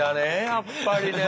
やっぱりね。